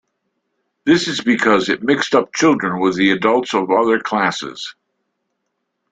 This is because it mixed up children with the adults of other classes.